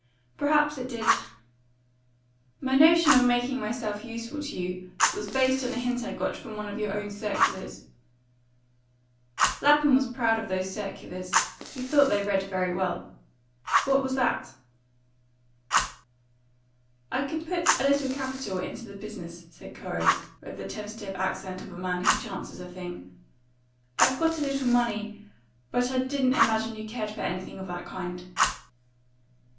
"Perhaps it did." "My notion of making myself useful to you was based on a hint I got from one of your own circulars." Lapham was proud of those circulars; he thought they read very well. "What was that?" "I could put a little capital into the business," said Corey, with the tentative accent of a man who chances a thing. "I've got a little money, but I didn't imagine you cared for anything of that kind."